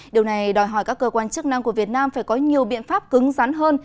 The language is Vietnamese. điều này đòi hỏi các cơ quan chức năng của việt nam phải có nhiều biện pháp cứng rắn hơn